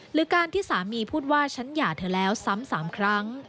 หรือการที่สามีพูดว่าฉันหย่าเธอแล้วซ้ำ๓ครั้ง